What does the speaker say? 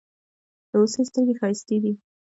د هوسۍ ستړگي ښايستې دي.